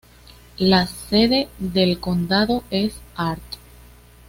La sede del condado es Hart.